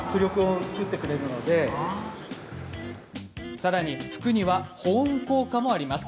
さらに、服には保温効果もあります。